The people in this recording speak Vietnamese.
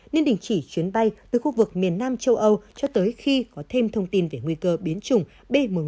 nên đình chỉ chuyến bay từ khu vực miền nam châu âu cho tới khi có thêm thông tin về nguy cơ biến chủng b một